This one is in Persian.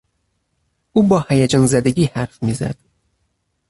او با هیجانزدگی حرف میزد.